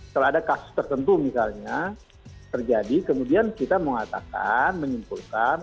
kalau ada kasus tertentu misalnya terjadi kemudian kita mengatakan menyimpulkan